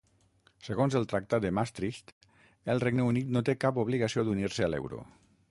Segons el Tractat de Maastricht, el Regne Unit no té cap obligació d'unir-se a l'euro.